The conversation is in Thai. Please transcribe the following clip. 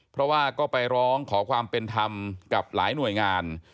เพราะว่าก็ไปร้องขอความเป็นธรรมกับหลายหน่วยงาน